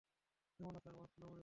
কেমন আছে আমার সোনামণিটা?